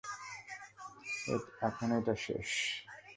এখন এটা শেষ।